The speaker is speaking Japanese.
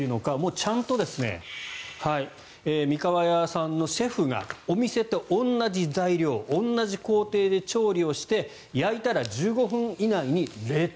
ちゃんとみかわやさんのシェフがお店と同じ材料同じ工程で調理して焼いたら１５分以内に冷凍。